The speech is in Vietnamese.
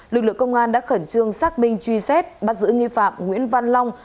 lực lượng công an đã khẩn trương xác minh truy xét bắt giữ nghi phạm nguyễn văn long